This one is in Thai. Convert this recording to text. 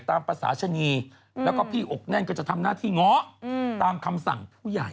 ตามภาษาชนีแล้วก็พี่อกแน่นก็จะทำหน้าที่ง้อตามคำสั่งผู้ใหญ่